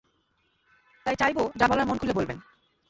তাই, চাইব যা বলার মন খুলে বলবেন।